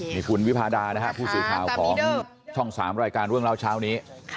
นี่คุณวิภาดานะฮะผู้สื่อข่าวของช่องสามรายการเรื่องราวเช้านี้